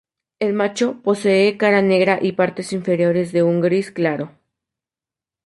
El macho posee cara negra y partes inferiores de un gris claro.